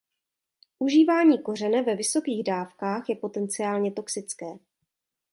Užívání kořene ve vysokých dávkách je potenciálně toxické.